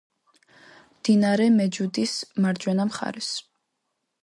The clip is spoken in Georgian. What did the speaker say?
მდინარე მეჯუდის მარჯვენა მხარეს.